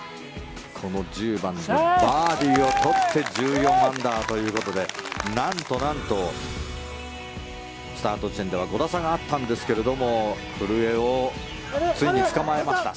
この１０番でバーディーを取って１４アンダーということでなんとなんと、スタート時点では５打差があったんですが古江をついにつかまえました。